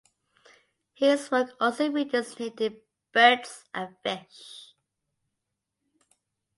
His work also features native birds and fish.